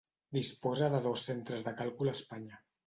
Disposa de dos centres de càlcul a Espanya: